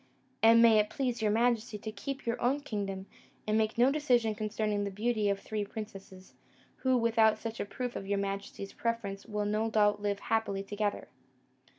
And may it please your majesty to keep your own kingdom, and make no decision concerning the beauty of three princesses, who, without such a proof of your majesty's preference, will no doubt live happily together!"